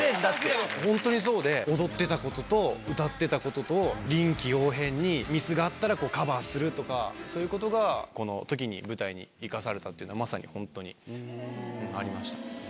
本当にそうで踊ってたことと歌ってたことと臨機応変にミスがあったらこうカバーするとかそういうことがこのときに舞台に生かされたっていうのがまさに本当にありました。